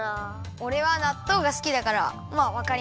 おれはなっとうがすきだからまあわかりますね。